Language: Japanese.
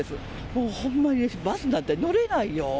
もうほんまにバスなんて乗れないよ。